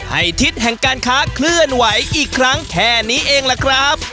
ทิศแห่งการค้าเคลื่อนไหวอีกครั้งแค่นี้เองล่ะครับ